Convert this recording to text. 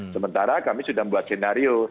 sementara kami sudah membuat senario